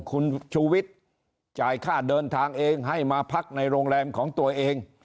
คุณชูวิทย์จ่ายค่าเดินทางเองให้มาพักในโรงแรมของตัวเอง